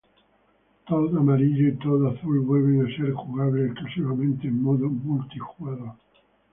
Toad Amarillo y Toad Azul vuelven a ser jugables, exclusivamente en modo multijugador.